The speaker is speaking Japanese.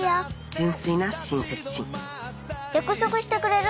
純粋な親切心約束してくれる？